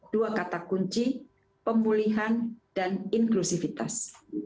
dua kata kunci pemulihan dan inklusivitas